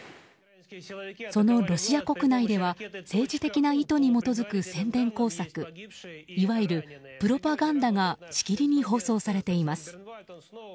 そのロシア国内では政治的な意図に基づく宣伝工作いわゆるプロパガンダがしきりに放送されています。